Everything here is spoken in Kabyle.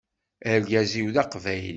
Argaz-iw d aqbayli.